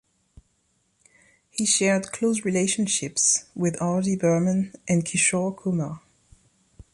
He shared close relationships with R. D. Burman and Kishore Kumar.